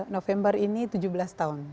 november ini tujuh belas tahun